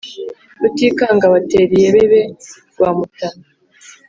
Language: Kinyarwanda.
Rutikanga abatera iyebebe rwa Mutana